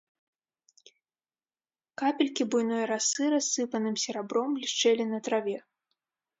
Капелькі буйной расы рассыпаным серабром блішчэлі на траве.